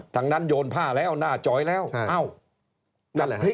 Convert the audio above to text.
ทั้งนั้นโยนผ้าแล้วหน้าจอยแล้วเอ้านั่นแหละ